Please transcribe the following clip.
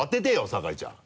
酒井ちゃん。